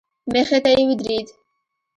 مخې ته يې ودرېد.